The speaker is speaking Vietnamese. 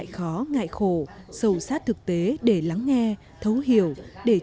chú ấy là chú em